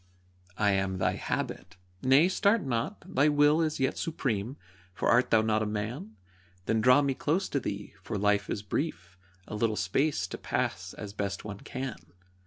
I am thy Habit. Nay, start not, thy will Is yet supreme, for art thou not a man? Then draw me close to thee, for life is brief A little space to pass as best one can.